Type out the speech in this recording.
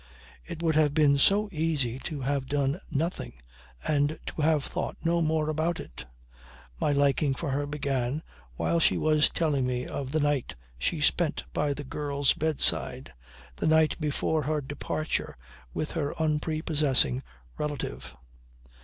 It would have been so easy to have done nothing and to have thought no more about it. My liking for her began while she was trying to tell me of the night she spent by the girl's bedside, the night before her departure with her unprepossessing relative.